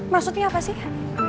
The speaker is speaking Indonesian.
maksudnya apa sih